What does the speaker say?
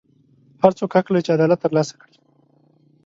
هر څوک حق لري چې عدالت ترلاسه کړي.